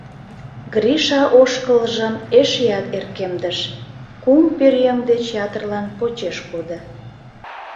Гриша ошкылжым эшеат эркемдыш, кум пӧръеҥ деч ятырлан почеш кодо.